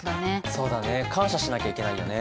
そうだね感謝しなきゃいけないよね。